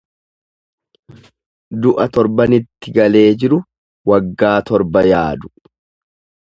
Du'a torbanitti galee jiru, waggaa torba yaadu.